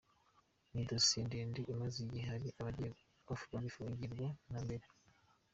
Ni dosiye ndende imaze igihe, hari abagiye babifungirwa na mbere.